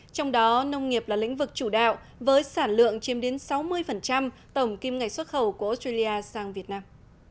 trong đó nông nghiệp là lĩnh vực chủ đạo với sản lượng chiếm đến sáu mươi tổng kim ngạch xuất khẩu của australia sang việt nam